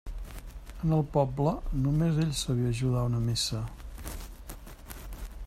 En el poble, només ell sabia ajudar una missa.